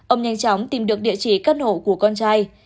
ông nhanh chóng tìm được địa chỉ căn hộ của con trai